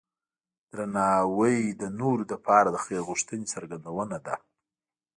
درناوی د نورو لپاره د خیر غوښتنې څرګندونه ده.